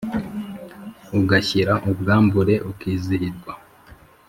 Ugashira ubwambure ukizihirwa